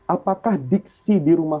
apakah diksi dirumah